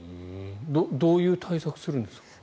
どういう対策をするんですか？